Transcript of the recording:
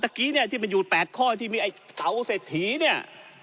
เมื่อกี้เนี่ยที่มันอยู่๘ข้อที่มีไอ้เตาเศรษฐีเนี่ย